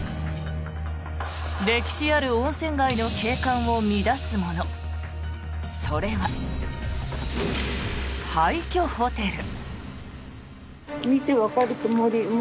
歴史ある温泉街の景観を乱すもの、それは廃虚ホテル。